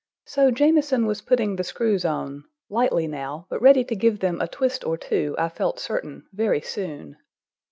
So Jamieson was putting the screws on—lightly now, but ready to give them a twist or two, I felt certain, very soon.